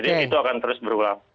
jadi itu akan terus berulang